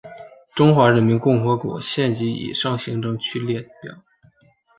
中华人民共和国县级以上行政区列表